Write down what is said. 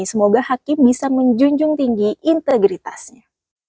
semoga hakim bisa menjunjung tinggi integritasnya